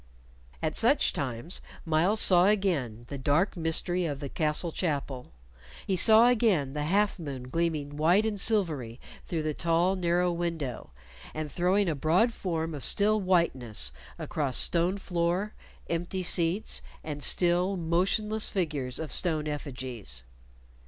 At such times Myles saw again the dark mystery of the castle chapel; he saw again the half moon gleaming white and silvery through the tall, narrow window, and throwing a broad form of still whiteness across stone floor, empty seats, and still, motionless figures of stone effigies.